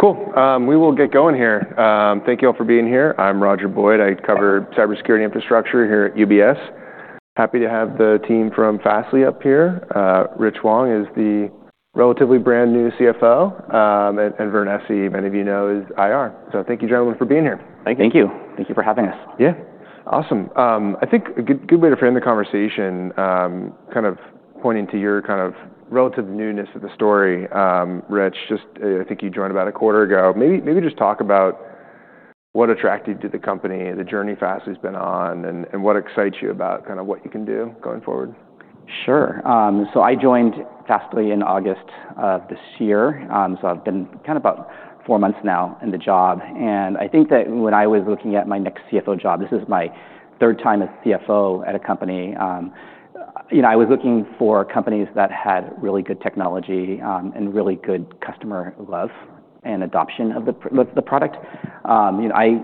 Thank you. Yeah. Cool. We will get going here. Thank you all for being here. I'm Roger Boyd. I cover cybersecurity infrastructure here at UBS. Happy to have the team from Fastly up here. Rich Wong is the relatively brand new CFO, and Vern Essi, many of you know, is IR. So thank you, gentlemen, for being here. Thank you. Thank you. Thank you for having us. Yeah. Awesome. I think a good, good way to frame the conversation, kind of pointing to your kind of relative newness of the story, Rich. Just, I think you joined about a quarter ago. Maybe, maybe just talk about what attracted you to the company, the journey Fastly's been on, and, and what excites you about kind of what you can do going forward. Sure. I joined Fastly in August of this year, so I've been kind of about four months now in the job. I think that when I was looking at my next CFO job, this is my third time as CFO at a company, you know, I was looking for companies that had really good technology, and really good customer love and adoption of the product. You know, I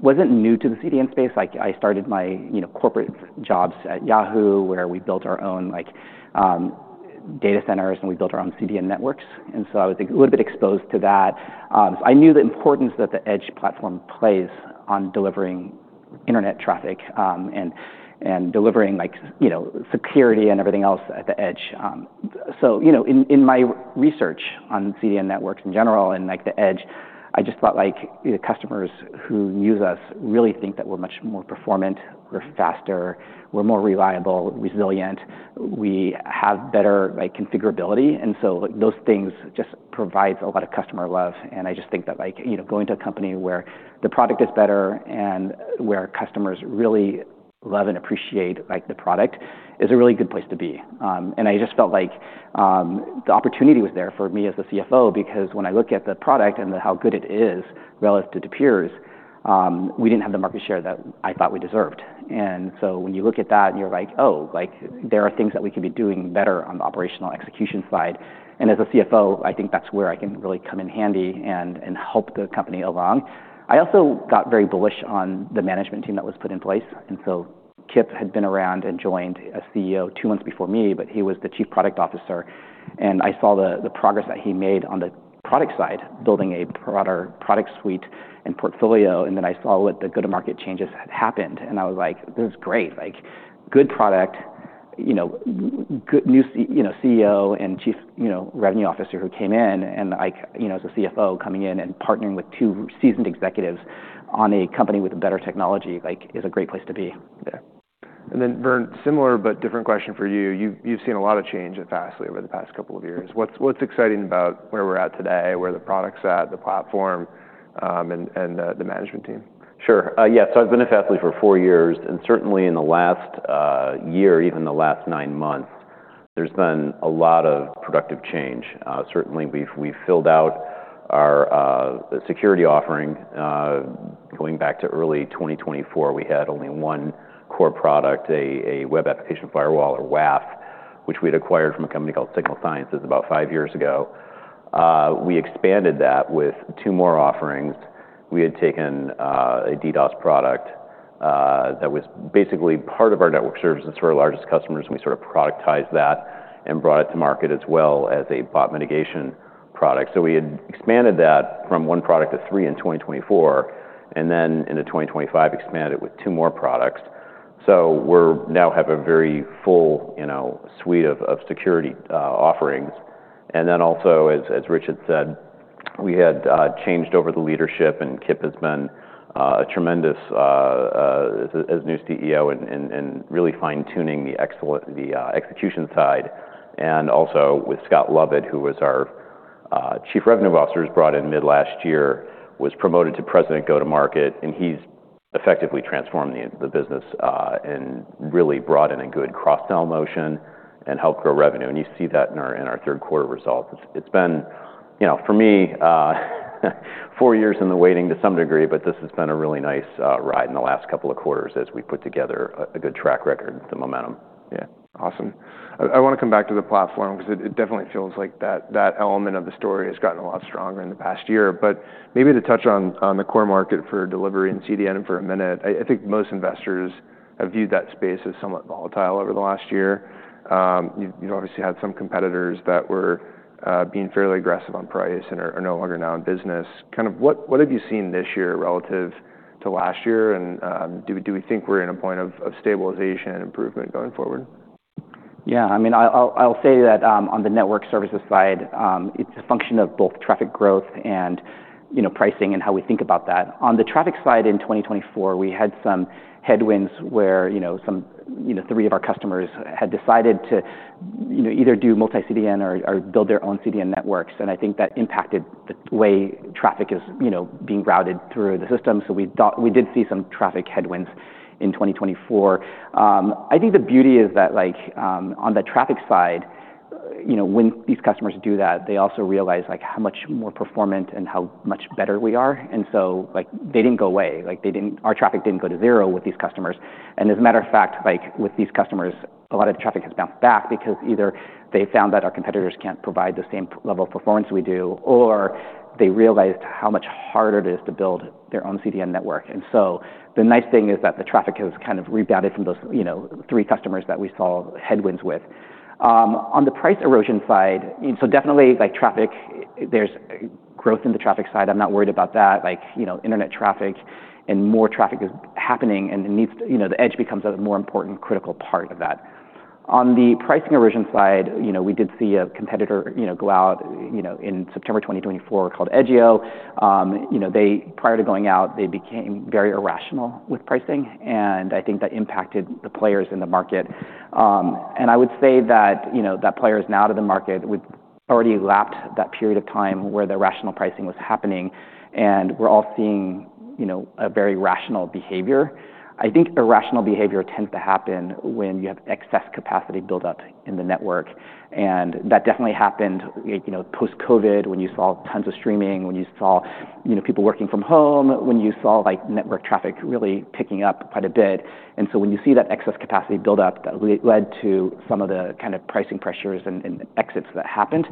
wasn't new to the CDN space. Like, I started my, you know, corporate jobs at Yahoo where we built our own, like, data centers and we built our own CDN networks. So I was a little bit exposed to that. I knew the importance that the edge platform plays on delivering internet traffic, and delivering, like, you know, security and everything else at the edge. So, you know, in my research on CDN networks in general and, like, the edge, I just thought, like, the customers who use us really think that we're much more performant. We're faster. We're more reliable, resilient. We have better, like, configurability. And so, like, those things just provide a lot of customer love. And I just think that, like, you know, going to a company where the product is better and where customers really love and appreciate, like, the product is a really good place to be. And I just felt like the opportunity was there for me as the CFO because when I look at the product and how good it is relative to peers, we didn't have the market share that I thought we deserved. When you look at that and you're like, "Oh, like, there are things that we could be doing better on the operational execution side." As a CFO, I think that's where I can really come in handy and help the company along. I also got very bullish on the management team that was put in place. Kip had been around and joined as CEO two months before me, but he was the chief product officer. I saw the progress that he made on the product side, building a broader product suite and portfolio. I was like, "This is great. Like, good product, you know, good new CEO and Chief Revenue Officer who came in and like, you know, as a CFO coming in and partnering with two seasoned executives on a company with better technology, like, is a great place to be there. And then, Vern, similar but different question for you. You've seen a lot of change at Fastly over the past couple of years. What's exciting about where we're at today, where the product's at, the platform, and the management team? Sure. Yeah. So I've been at Fastly for four years. And certainly in the last year, even the last nine months, there's been a lot of productive change. Certainly we've filled out our security offering. Going back to early 2024, we had only one core product, a web application firewall or WAF, which we had acquired from a company called Signal Sciences about five years ago. We expanded that with two more offerings. We had taken a DDoS product that was basically part of our network services for our largest customers. And we sort of productized that and brought it to market as well as a bot mitigation product. So we had expanded that from one product to three in 2024, and then in 2025, expanded it with two more products. So we're now have a very full, you know, suite of security offerings. Then also, as Rich said, we had changed over the leadership. Kip has been a tremendous asset as new CEO and really fine-tuning the excellent execution side. Also with Scott Lovett, who was our chief revenue officer, was brought in mid last year, was promoted to president go-to-market, and he's effectively transformed the business and really brought in a good cross-sell motion and helped grow revenue. You see that in our third quarter results. It's been, you know, for me, four years in the waiting to some degree, but this has been a really nice ride in the last couple of quarters as we put together a good track record with the momentum. Yeah. Awesome. I wanna come back to the platform because it definitely feels like that element of the story has gotten a lot stronger in the past year. But maybe to touch on the core market for delivery and CDN for a minute. I think most investors have viewed that space as somewhat volatile over the last year. You've obviously had some competitors that were being fairly aggressive on price and are no longer now in business. Kind of, what have you seen this year relative to last year? And, do we think we're in a point of stabilization and improvement going forward? Yeah. I mean, I'll say that, on the network services side, it's a function of both traffic growth and, you know, pricing and how we think about that. On the traffic side in 2024, we had some headwinds where, you know, three of our customers had decided to, you know, either do multi-CDN or build their own CDN networks. And I think that impacted the way traffic is, you know, being routed through the system. So we thought we did see some traffic headwinds in 2024. I think the beauty is that, like, on the traffic side, you know, when these customers do that, they also realize, like, how much more performant and how much better we are. And so, like, they didn't go away. Like, our traffic didn't go to zero with these customers. And as a matter of fact, like, with these customers, a lot of the traffic has bounced back because either they found that our competitors can't provide the same level of performance we do, or they realized how much harder it is to build their own CDN network. And so the nice thing is that the traffic has kind of rebounded from those, you know, three customers that we saw headwinds with. On the price erosion side, you know, so definitely, like, traffic, there's growth in the traffic side. I'm not worried about that. Like, you know, internet traffic and more traffic is happening and it needs, you know, the edge becomes a more important critical part of that. On the pricing erosion side, you know, we did see a competitor, you know, go out, you know, in September 2024 called Edgio. You know, prior to going out, they became very irrational with pricing. And I think that impacted the players in the market. And I would say that, you know, that player is now out of the market. We've already lapped that period of time where the rational pricing was happening. And we're all seeing, you know, a very rational behavior. I think irrational behavior tends to happen when you have excess capacity buildup in the network. And that definitely happened, you know, post-COVID, when you saw tons of streaming, when you saw, you know, people working from home, when you saw, like, network traffic really picking up quite a bit. And so when you see that excess capacity buildup that led to some of the kind of pricing pressures and exits that happened,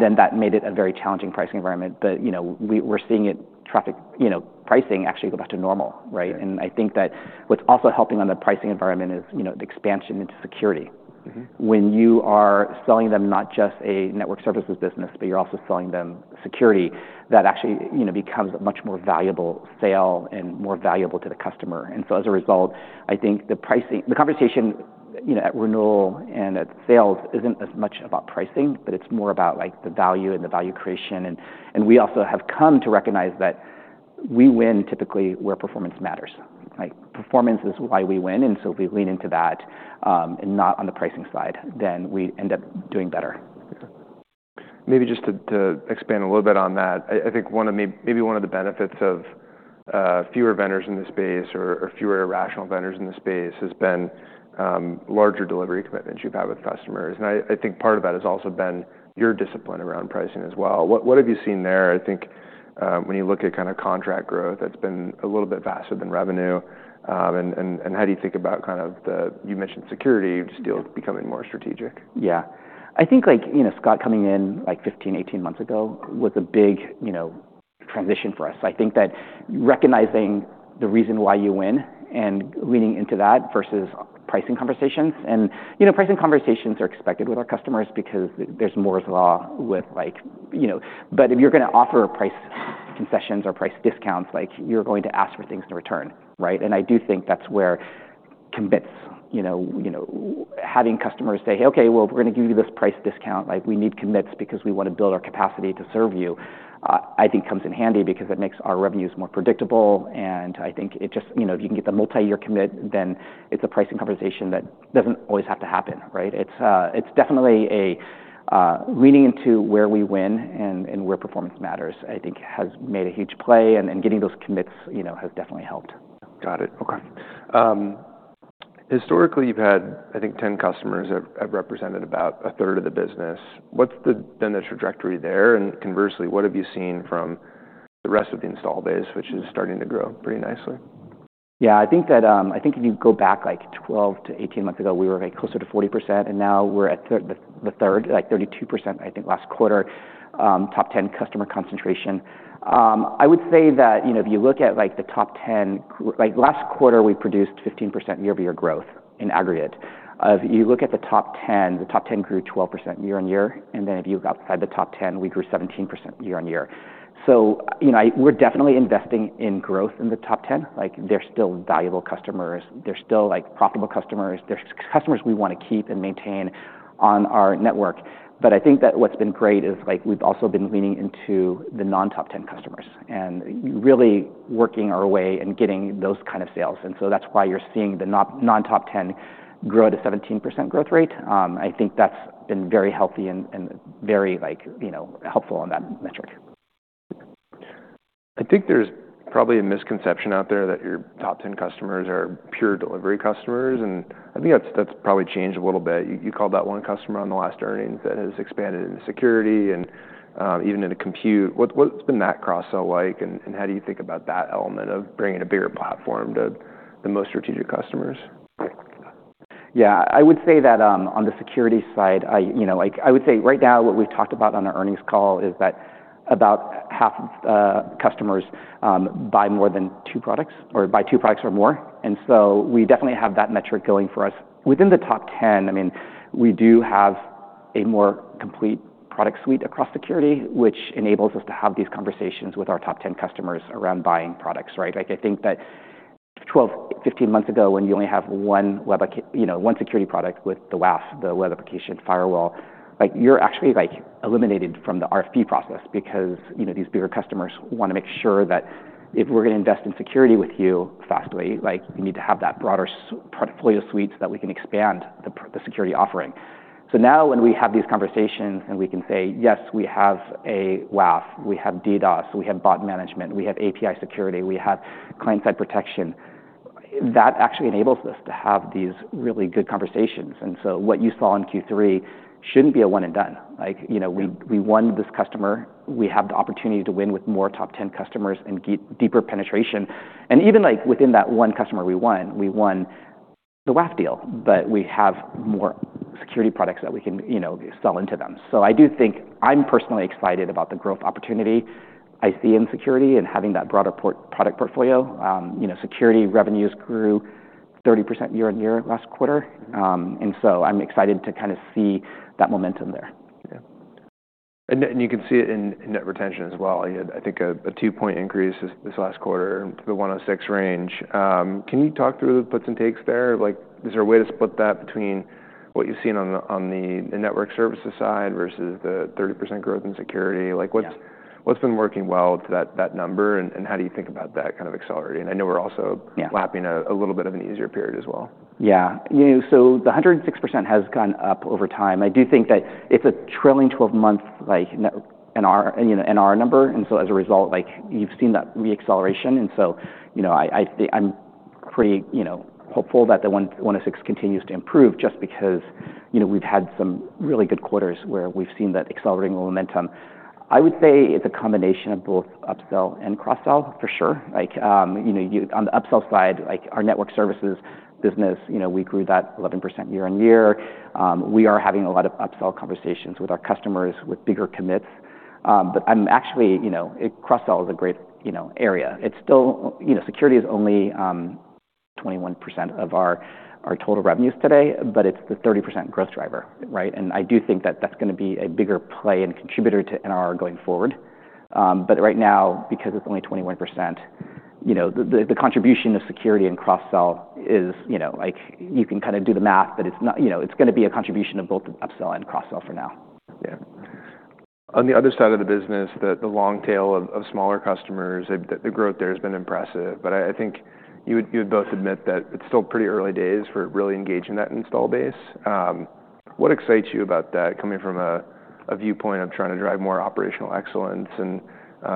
then that made it a very challenging pricing environment. But, you know, we're seeing Internet traffic, you know, pricing actually go back to normal, right? And I think that what's also helping on the pricing environment is, you know, the expansion into security. Mm-hmm. When you are selling them not just a network services business, but you're also selling them security, that actually, you know, becomes a much more valuable sale and more valuable to the customer. And so as a result, I think the pricing, the conversation, you know, at renewal and at sales isn't as much about pricing, but it's more about, like, the value and the value creation. And we also have come to recognize that we win typically where performance matters. Like, performance is why we win. And so if we lean into that, and not on the pricing side, then we end up doing better. Maybe just to expand a little bit on that, I think one of maybe one of the benefits of fewer vendors in the space or fewer irrational vendors in the space has been larger delivery commitments you've had with customers. And I think part of that has also been your discipline around pricing as well. What have you seen there? I think, when you look at kind of contract growth, that's been a little bit faster than revenue. And how do you think about kind of the, you mentioned security, just deal with becoming more strategic? Yeah. I think, like, you know, Scott coming in, like, 15 months-18 months ago was a big, you know, transition for us. I think that recognizing the reason why you win and leaning into that versus pricing conversations, and you know, pricing conversations are expected with our customers because there's Moore's Law with, like, you know, but if you're gonna offer price concessions or price discounts, like, you're going to ask for things to return, right, and I do think that's where commits, you know, having customers say, "Hey, okay, well, we're gonna give you this price discount. Like, we need commits because we wanna build our capacity to serve you." I think comes in handy because it makes our revenues more predictable. I think it just, you know, if you can get the multi-year commit, then it's a pricing conversation that doesn't always have to happen, right? It's definitely leaning into where we win and where performance matters, I think has made a huge play. Getting those commits, you know, has definitely helped. Got it. Okay. Historically, you've had, I think, 10 customers have represented about a third of the business. What's been the trajectory there? And conversely, what have you seen from the rest of the installed base, which is starting to grow pretty nicely? Yeah. I think that, I think if you go back, like, 12 months-18 months ago, we were very close to 40%. And now we're at the thirty, like 32%, I think, last quarter, top 10 customer concentration. I would say that, you know, if you look at, like, the top 10, like, last quarter, we produced 15% year-over-year growth in aggregate. If you look at the top 10, the top 10 grew 12% year-on-year. And then if you look outside the top 10, we grew 17% year-on-year. So, you know, I, we're definitely investing in growth in the top 10. Like, they're still valuable customers. They're still, like, profitable customers. They're customers we wanna keep and maintain on our network. But I think that what's been great is, like, we've also been leaning into the non-top 10 customers and really working our way and getting those kind of sales. And so that's why you're seeing the non-top 10 grow at a 17% growth rate. I think that's been very healthy and, and very, like, you know, helpful on that metric. I think there's probably a misconception out there that your top 10 customers are pure delivery customers. I think that's probably changed a little bit. You called that one customer on the last earnings that has expanded into security and even into compute. What's been that cross-sell like, and how do you think about that element of bringing a bigger platform to the most strategic customers? Yeah. I would say that, on the security side, I, you know, like, I would say right now what we've talked about on our earnings call is that about half of customers buy more than two products or buy two products or more. And so we definitely have that metric going for us. Within the top 10, I mean, we do have a more complete product suite across security, which enables us to have these conversations with our top 10 customers around buying products, right? Like, I think that 12 months-15 months ago, when you only have one web, you know, one security product with the WAF, the web application firewall, like, you're actually, like, eliminated from the RFP process because, you know, these bigger customers wanna make sure that if we're gonna invest in security with you Fastly, like, we need to have that broader portfolio suite so that we can expand the, the security offering. So now when we have these conversations and we can say, "Yes, we have a WAF, we have DDoS, we have bot management, we have API security, we have client-side protection," that actually enables us to have these really good conversations. And so what you saw in Q3 shouldn't be a one-and-done. Like, you know, we, we won this customer. We have the opportunity to win with more top 10 customers and get deeper penetration. Even, like, within that one customer we won, we won the WAF deal, but we have more security products that we can, you know, sell into them. So I do think I'm personally excited about the growth opportunity I see in security and having that broader product portfolio. You know, security revenues grew 30% year-on-year last quarter. So I'm excited to kind of see that momentum there. Yeah. And you can see it in net retention as well. You had, I think, a two-point increase this last quarter to the 106 range. Can you talk through the puts and takes there? Like, is there a way to split that between what you've seen on the network services side versus the 30% growth in security? Like, what's been working well to that number? And how do you think about that kind of accelerating? I know we're also. Yeah. Lapping a little bit of an easier period as well. Yeah. You know, so the 106% has gone up over time. I do think that it's a trailing 12-month, like, net ARR, you know, and our number, and so as a result, like, you've seen that re-acceleration, and so, you know, I, I think I'm pretty, you know, hopeful that the 106% continues to improve just because, you know, we've had some really good quarters where we've seen that accelerating momentum. I would say it's a combination of both upsell and cross-sell for sure. Like, you know, you on the upsell side, like, our network services business, you know, we grew that 11% year-on-year. We are having a lot of upsell conversations with our customers with bigger commits, but I'm actually, you know, cross-sell is a great, you know, area. It's still, you know, security is only 21% of our total revenues today, but it's the 30% growth driver, right? And I do think that that's gonna be a bigger play and contributor to NR going forward, but right now, because it's only 21%, you know, the contribution of security and cross-sell is, you know, like, you can kind of do the math, but it's not, you know, it's gonna be a contribution of both upsell and cross-sell for now. Yeah. On the other side of the business, the long tail of smaller customers, the growth there has been impressive. But I think you would both admit that it's still pretty early days for really engaging that installed base. What excites you about that coming from a viewpoint of trying to drive more operational excellence? And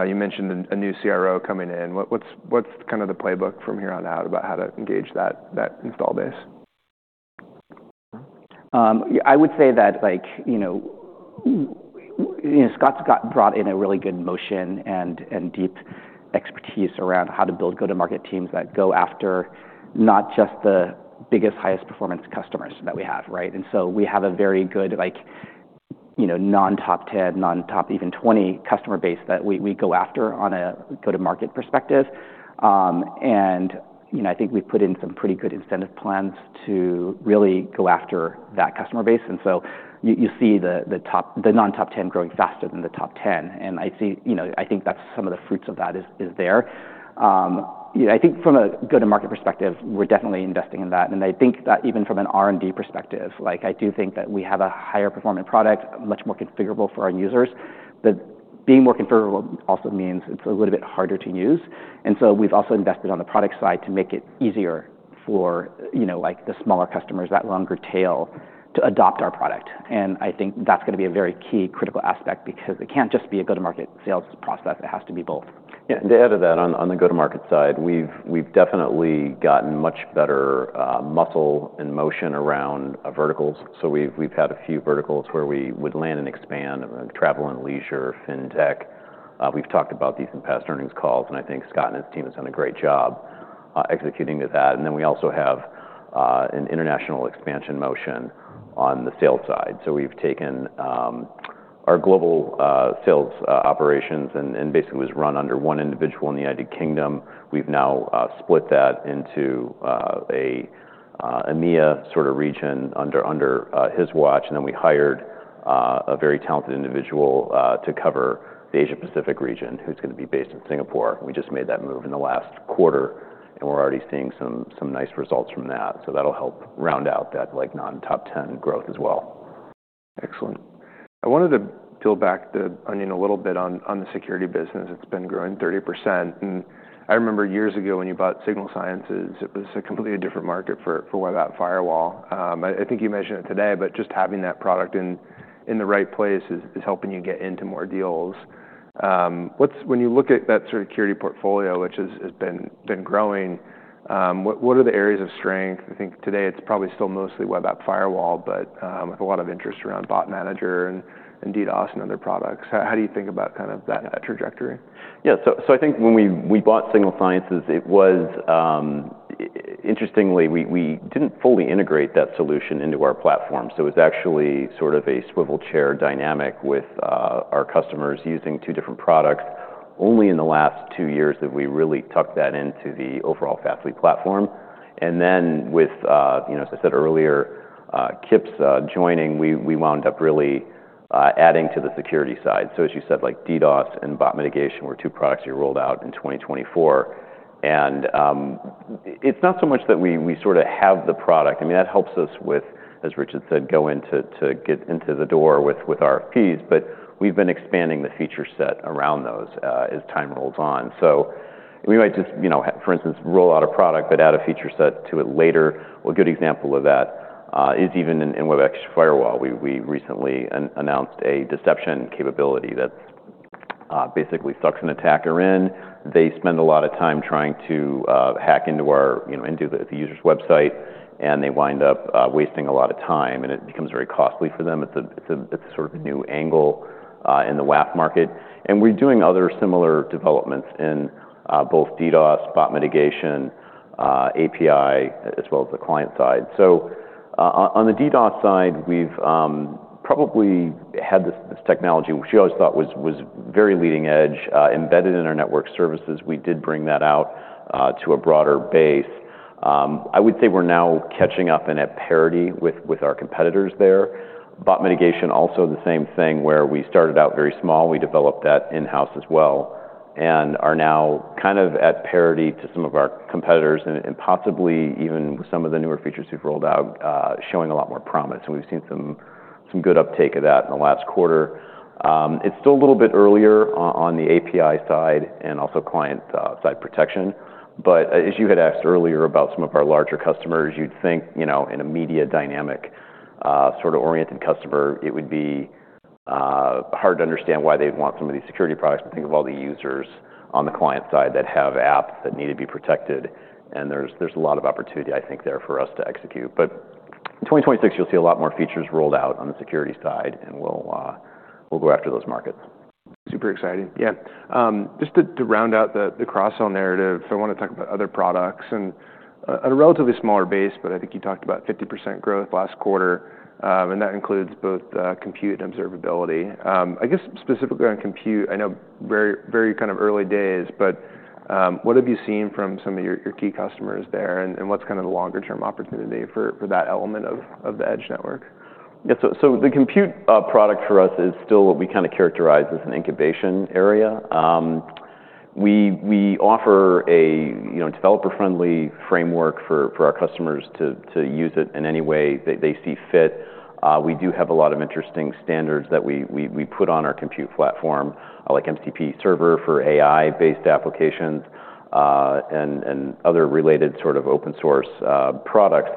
you mentioned a new CRO coming in. What's kind of the playbook from here on out about how to engage that installed base? I would say that, like, you know, Scott has brought in a really good momentum and deep expertise around how to build go-to-market teams that go after not just the biggest, highest-performance customers that we have, right? And so we have a very good, like, you know, non-top 10, non-top even 20 customer base that we go after on a go-to-market perspective, and you know, I think we've put in some pretty good incentive plans to really go after that customer base. And so you see the non-top 10 growing faster than the top 10. And I see, you know, I think that's some of the fruits of that is there, you know, I think from a go-to-market perspective, we're definitely investing in that. I think that even from an R&D perspective, like, I do think that we have a higher-performing product, much more configurable for our users. Being more configurable also means it's a little bit harder to use. So we've also invested on the product side to make it easier for, you know, like, the smaller customers, that longer tail to adopt our product. I think that's gonna be a very key critical aspect because it can't just be a go-to-market sales process. It has to be both. Yeah. And to add to that, on the go-to-market side, we've definitely gotten much better muscle and motion around verticals. So we've had a few verticals where we would land and expand: travel and leisure, fintech. We've talked about these in past earnings calls. And I think Scott and his team has done a great job executing to that. And then we also have an international expansion motion on the sales side. So we've taken our global sales operations and basically was run under one individual in the United Kingdom. We've now split that into a EMEA sort of region under his watch. And then we hired a very talented individual to cover the Asia-Pacific region who's gonna be based in Singapore. And we just made that move in the last quarter. And we're already seeing some nice results from that. So that'll help round out that, like, non-top 10 growth as well. Excellent. I wanted to peel back the onion a little bit on the security business. It's been growing 30%. And I remember years ago when you bought Signal Sciences, it was a completely different market for web app firewall. I think you mentioned it today, but just having that product in the right place is helping you get into more deals. What, when you look at that sort of security portfolio, which has been growing, what are the areas of strength? I think today it's probably still mostly web app firewall, but with a lot of interest around Bot Management and DDoS and other products. How do you think about kind of that trajectory? Yeah. So I think when we bought Signal Sciences, it was, interestingly, we didn't fully integrate that solution into our platform. It was actually sort of a swivel chair dynamic with our customers using two different products only in the last two years that we really tucked that into the overall Fastly platform. And then with, you know, as I said earlier, Kip's joining, we wound up really adding to the security side. So as you said, like, DDoS and bot mitigation were two products we rolled out in 2024. And it's not so much that we sort of have the product. I mean, that helps us with, as Rich said, going to get into the door with RFPs. But we've been expanding the feature set around those, as time rolls on. So we might just, you know, for instance, roll out a product but add a feature set to it later. A good example of that is even in WAF. We recently announced a deception capability that basically sucks an attacker in. They spend a lot of time trying to hack into our, you know, the user's website. And they wind up wasting a lot of time. And it becomes very costly for them. It's a sort of a new angle in the WAF market. And we're doing other similar developments in both DDoS, bot mitigation, API, as well as the client side. So on the DDoS side, we've probably had this technology which you always thought was very leading edge, embedded in our network services. We did bring that out to a broader base. I would say we're now catching up and at parity with our competitors there. Bot mitigation, also the same thing where we started out very small. We developed that in-house as well and are now kind of at parity to some of our competitors and possibly even with some of the newer features we've rolled out, showing a lot more promise. And we've seen some good uptake of that in the last quarter. It's still a little bit earlier on the API side and also client-side protection. But as you had asked earlier about some of our larger customers, you'd think, you know, in a media dynamic, sort of oriented customer, it would be hard to understand why they'd want some of these security products to think of all the users on the client side that have apps that need to be protected. There's a lot of opportunity, I think, there for us to execute. But 2026, you'll see a lot more features rolled out on the security side. And we'll go after those markets. Super exciting. Yeah. Just to round out the cross-sell narrative, I wanna talk about other products and, on a relatively smaller base, but I think you talked about 50% growth last quarter. And that includes both compute and observability. I guess specifically on compute, I know very early days, but what have you seen from some of your key customers there? And what's kind of the longer-term opportunity for that element of the edge network? Yeah. So the compute product for us is still what we kind of characterize as an incubation area. We offer, you know, a developer-friendly framework for our customers to use it in any way they see fit. We do have a lot of interesting standards that we put on our compute platform, like MCP server for AI-based applications, and other related sort of open-source products.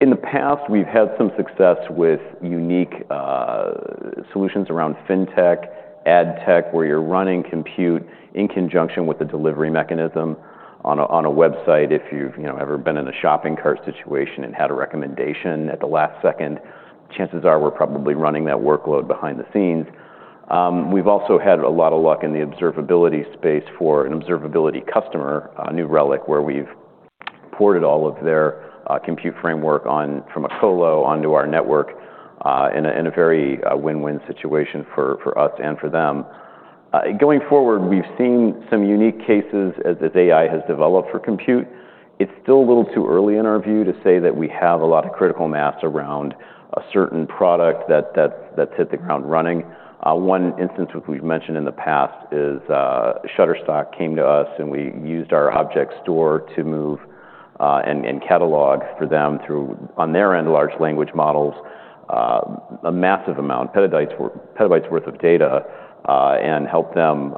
In the past, we've had some success with unique solutions around fintech, ad tech, where you're running compute in conjunction with a delivery mechanism on a website. If you've, you know, ever been in a shopping cart situation and had a recommendation at the last second, chances are we're probably running that workload behind the scenes. We've also had a lot of luck in the observability space for an observability customer, New Relic, where we've ported all of their compute framework on from a colo onto our network, in a very win-win situation for us and for them. Going forward, we've seen some unique cases as AI has developed for compute. It's still a little too early in our view to say that we have a lot of critical mass around a certain product that's hit the ground running. One instance we've mentioned in the past is, Shutterstock came to us and we used our object store to move, and, and catalog for them through, on their end, large language models, a massive amount, petabytes worth, petabytes worth of data, and help them,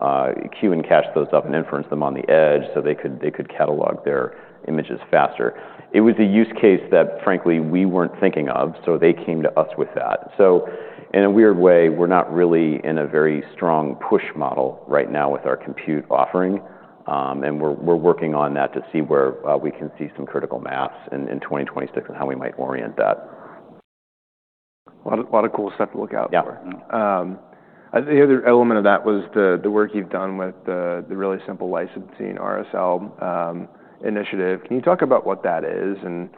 queue and cache those up and inference them on the edge so they could, they could catalog their images faster. It was a use case that, frankly, we weren't thinking of. So they came to us with that. So, in a weird way, we're not really in a very strong push model right now with our compute offering, and we're, we're working on that to see where, we can see some critical mass in, in 2026 and how we might orient that. A lot of, a lot of cool stuff to look out for? Yeah. The other element of that was the work you've done with the Really Simple Licensing RSL initiative. Can you talk about what that is and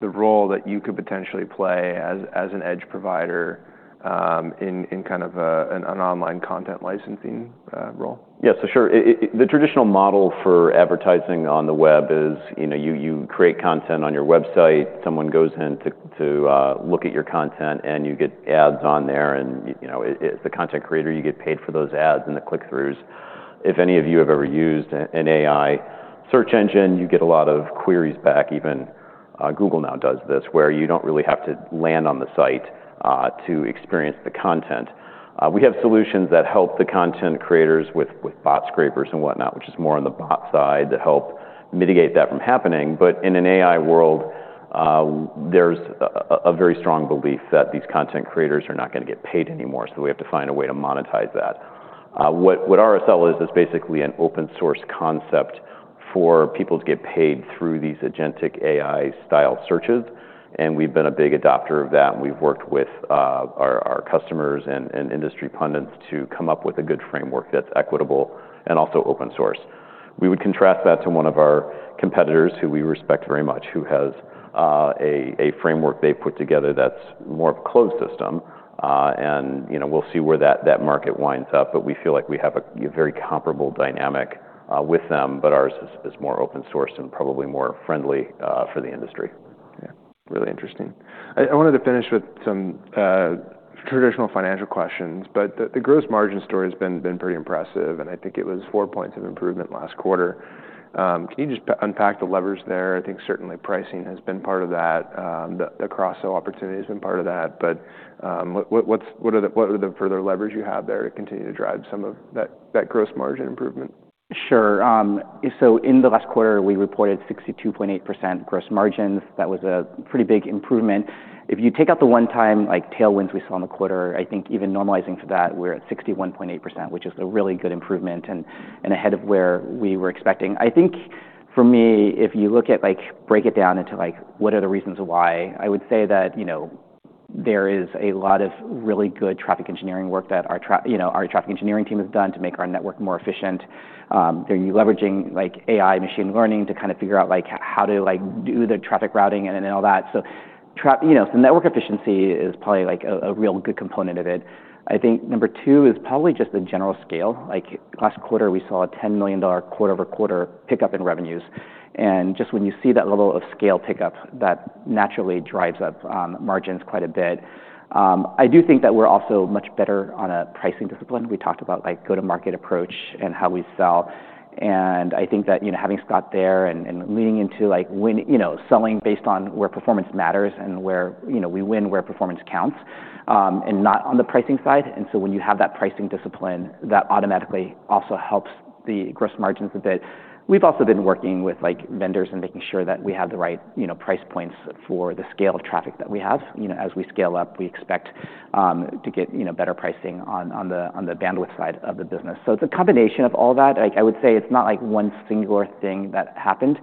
the role that you could potentially play as an edge provider in kind of an online content licensing role? Yeah. So sure. The traditional model for advertising on the web is, you know, you create content on your website. Someone goes in to look at your content and you get ads on there. And, you know, is the content creator, you get paid for those ads and the click-throughs. If any of you have ever used an AI search engine, you get a lot of queries back. Even Google now does this where you don't really have to land on the site to experience the content. We have solutions that help the content creators with bot scrapers and whatnot, which is more on the bot side to help mitigate that from happening. But in an AI world, there's a very strong belief that these content creators are not gonna get paid anymore. So we have to find a way to monetize that. What RSL is is basically an open-source concept for people to get paid through these agentic AI-style searches. And we've been a big adopter of that. And we've worked with our customers and industry pundits to come up with a good framework that's equitable and also open-source. We would contrast that to one of our competitors who we respect very much, who has a framework they've put together that's more of a closed system. You know, we'll see where that market winds up. But we feel like we have a very comparable dynamic with them. But ours is more open-source and probably more friendly for the industry. Yeah. Really interesting. I wanted to finish with some traditional financial questions. But the gross margin story has been pretty impressive. And I think it was four points of improvement last quarter. Can you just unpack the levers there? I think certainly pricing has been part of that. The cross-sell opportunity has been part of that. But what are the further levers you have there to continue to drive some of that gross margin improvement? Sure. So in the last quarter, we reported 62.8% gross margins. That was a pretty big improvement. If you take out the one-time, like, tailwinds we saw in the quarter, I think even normalizing for that, we're at 61.8%, which is a really good improvement and ahead of where we were expecting. I think for me, if you look at, like, break it down into, like, what are the reasons why, I would say that, you know, there is a lot of really good traffic engineering work that our, you know, our traffic engineering team has done to make our network more efficient. They're leveraging, like, AI machine learning to kind of figure out, like, how to, like, do the traffic routing and all that. So you know, so network efficiency is probably, like, a real good component of it. I think number two is probably just the general scale. Like, last quarter, we saw a $10 million quarter-over-quarter pickup in revenues. Just when you see that level of scale pickup, that naturally drives up margins quite a bit. I do think that we're also much better on a pricing discipline. We talked about, like, go-to-market approach and how we sell. And I think that, you know, having Scott there and leaning into, like, win, you know, selling based on where performance matters and where, you know, we win where performance counts, and not on the pricing side. And so when you have that pricing discipline, that automatically also helps the gross margins a bit. We've also been working with, like, vendors and making sure that we have the right, you know, price points for the scale of traffic that we have. You know, as we scale up, we expect to get, you know, better pricing on the bandwidth side of the business. So it's a combination of all that. Like, I would say it's not, like, one singular thing that happened.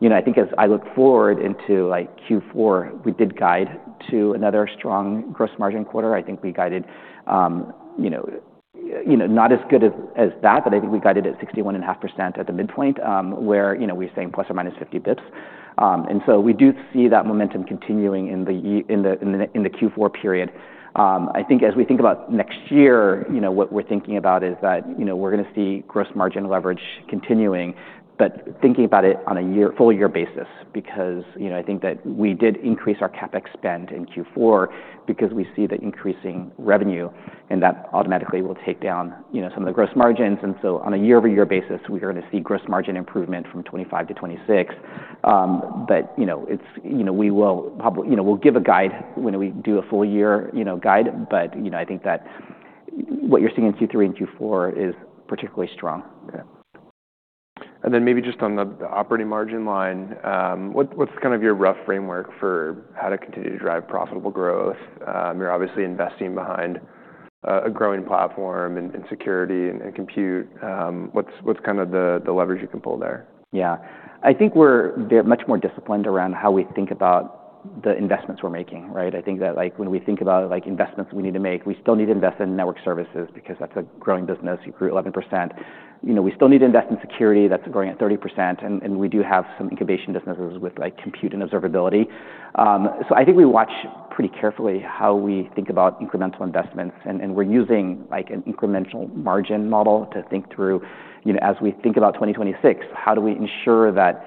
You know, I think as I look forward into, like, Q4, we did guide to another strong gross margin quarter. I think we guided, you know, you know, not as good as, as that, but I think we guided at 61.5% at the midpoint, where, you know, we're saying plus or minus 50 basis points. And so we do see that momentum continuing in the Q4 period. I think as we think about next year, you know, what we're thinking about is that, you know, we're gonna see gross margin leverage continuing, but thinking about it on a year, full-year basis because, you know, I think that we did increase our CapEx spend in Q4 because we see the increasing revenue and that automatically will take down, you know, some of the gross margins. And so on a year-over-year basis, we are gonna see gross margin improvement from 25%-26%, but, you know, it's, you know, we will probably, you know, we'll give a guide when we do a full-year, you know, guide. But, you know, I think that what you're seeing in Q3 and Q4 is particularly strong. Yeah. And then maybe just on the operating margin line, what's kind of your rough framework for how to continue to drive profitable growth? You're obviously investing behind a growing platform and security and compute. What's kind of the levers you can pull there? Yeah. I think we're much more disciplined around how we think about the investments we're making, right? I think that, like, when we think about, like, investments we need to make, we still need to invest in network services because that's a growing business. You grew 11%. You know, we still need to invest in security. That's growing at 30%. And we do have some incubation businesses with, like, compute and observability, so I think we watch pretty carefully how we think about incremental investments. And we're using, like, an incremental margin model to think through, you know, as we think about 2026, how do we ensure that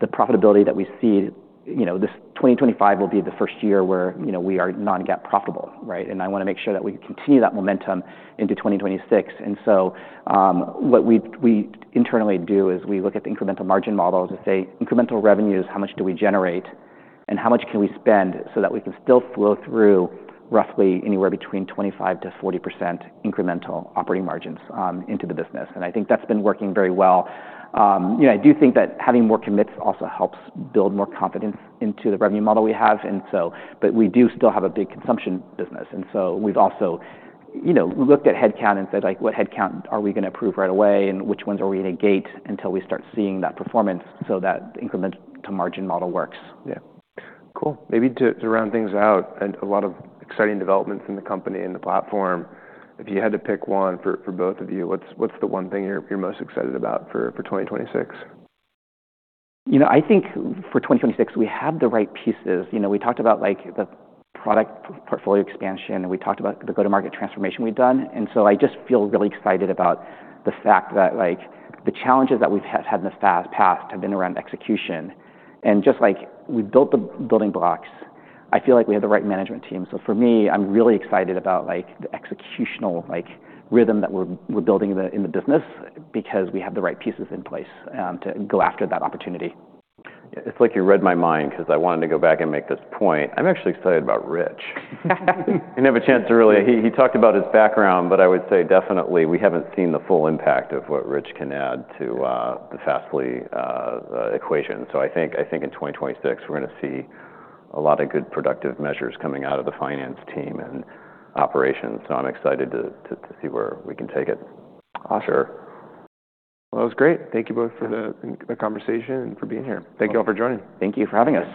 the profitability that we see, you know. This 2025 will be the first year where, you know, we are non-GAAP profitable, right? And I wanna make sure that we continue that momentum into 2026. And so, what we internally do is we look at the incremental margin models and say, incremental revenues, how much do we generate and how much can we spend so that we can still flow through roughly anywhere between 25%-40% incremental operating margins into the business. And I think that's been working very well. You know, I do think that having more commits also helps build more confidence into the revenue model we have. And so, but we do still have a big consumption business. And so we've also, you know, looked at headcount and said, like, what headcount are we gonna approve right away and which ones are we gonna gate until we start seeing that performance so that the incremental margin model works. Yeah. Cool. Maybe to round things out, and a lot of exciting developments in the company and the platform, if you had to pick one for both of you, what's the one thing you're most excited about for 2026? You know, I think for 2026, we have the right pieces. You know, we talked about, like, the product portfolio expansion and we talked about the go-to-market transformation we've done. And so I just feel really excited about the fact that, like, the challenges that we've had in the past have been around execution. And just like we built the building blocks, I feel like we have the right management team. So for me, I'm really excited about, like, the executional, like, rhythm that we're building in the business because we have the right pieces in place to go after that opportunity. Yeah. It's like you read my mind 'cause I wanted to go back and make this point. I'm actually excited about Rich. I didn't have a chance to really, he talked about his background, but I would say definitely we haven't seen the full impact of what Rich can add to the Fastly equation. So I think in 2026, we're gonna see a lot of good productive measures coming out of the finance team and operations. So I'm excited to see where we can take it. Awesome. Sure. Well, that was great. Thank you both for the conversation and for being here. Thank you all for joining. Thank you for having us.